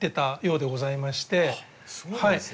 そうなんですね。